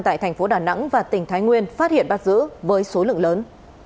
tại thành phố đà nẵng và tỉnh thái nguyên phát hiện bắt giữ với số lượng lớn